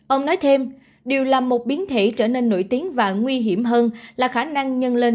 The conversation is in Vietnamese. ông nói thêm điều là một biến thể trở nên nổi tiếng và nguy hiểm hơn là khả năng nhân lên